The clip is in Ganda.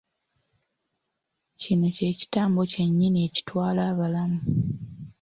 Kino kye kitambo kyennyini ekitwala abalamu.